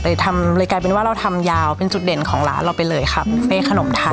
ทำเลยกลายเป็นว่าเราทำยาวเป็นจุดเด่นของร้านเราไปเลยครับบุฟเฟ่ขนมไทย